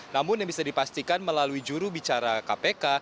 namun yang bisa dipastikan melalui juru bicara kpk